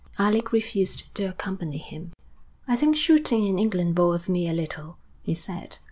Alec refused to accompany him. 'I think shooting in England bores me a little,' he said.